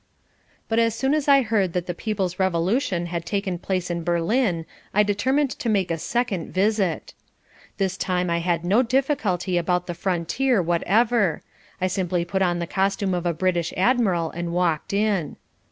But as soon as I heard that the People's Revolution had taken place in Berlin I determined to make a second visit. This time I had no difficulty about the frontier whatever. I simply put on the costume of a British admiral and walked in.